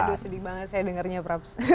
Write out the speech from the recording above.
aduh sedih banget saya dengarnya prapsa